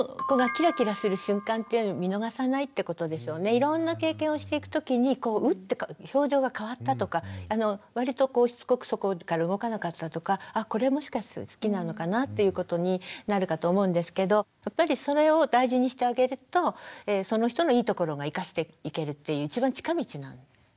いろんな経験をしていくときにウッて表情が変わったとか割としつこくそこから動かなかったとかあこれはもしかすると好きなのかなっていうことになるかと思うんですけどやっぱりそれを大事にしてあげるとその人のいいところが生かしていけるっていう一番近道なんですよね。